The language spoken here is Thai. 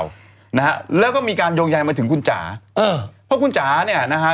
นะฮะแล้วก็มีการโยงใยมาถึงคุณจ๋าเออเพราะคุณจ๋าเนี่ยนะฮะ